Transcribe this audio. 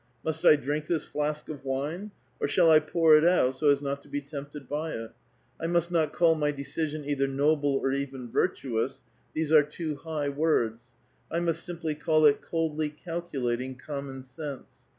Must I drink this flask of wine, or shall I pour it out so as not to be tempted by it. I must not call my decision either noble or even virtuous, these are too high words ; I must simply call it coldly calculating common sense.